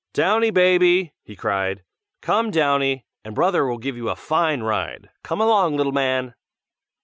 "Downy, baby!" he cried, "Come, Downy, and brother will give you a fine ride! come along, little man!"